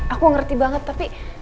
aku ngerti banget tapi